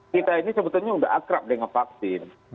kita ini sebetulnya sudah akrab dengan vaksin